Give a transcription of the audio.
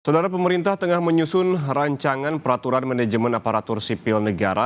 saudara pemerintah tengah menyusun rancangan peraturan manajemen aparatur sipil negara